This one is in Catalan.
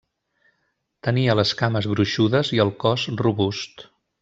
Tenia les cames gruixudes i el cos robust.